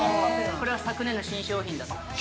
◆これは昨年の新商品です。